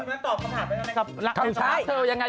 ตอบคำถามได้ไหมครับรับคำถามเชิญว่ายังไง